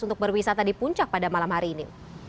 untuk berwisata di puncak pada malam hari ini